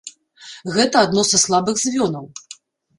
Гэта адно са слабых звёнаў.